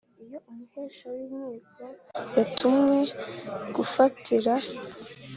Iyo umuhesha w inkiko yatumwe gufatira